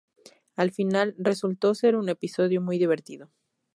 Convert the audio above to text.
Al final resultó ser un episodio muy divertido".